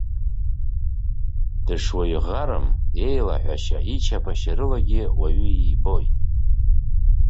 Дышуаҩ ӷарым, иеилаҳәашьа, ичаԥашьа рылагьы уаҩы ибоит.